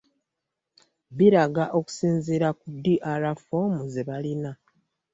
Biraga okusinziira ku DR ffoomu ze balina.